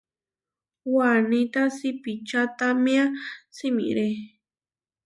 Waníta siipičataméa simiré.